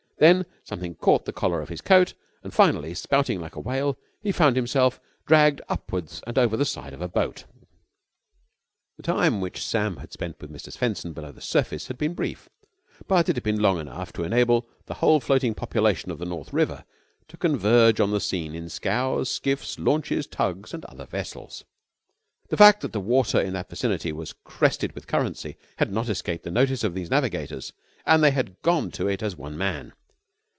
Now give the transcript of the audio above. Then something caught the collar of his coat; and, finally, spouting like a whale, he found himself dragged upwards and over the side of a boat. The time which Sam had spent with Mr. Swenson below the surface had been brief, but it had been long enough to enable the whole floating population of the North River to converge on the scene in scows, skiffs, launches, tugs and other vessels. The fact that the water in that vicinity was crested with currency had not escaped the notice of these navigators and they had gone to it as one man.